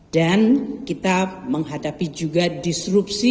dan kita menghadapi juga disrupsi